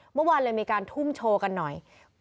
เมื่อวานเลยมีการทุ่มโชว์กันหน่อย